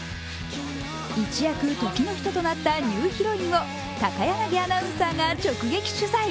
一躍時の人となったニューヒロインを高柳アナウンサーが直撃取材。